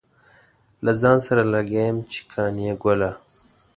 له ځان سره لګيا يم چې قانع ګله.